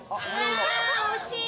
惜しい。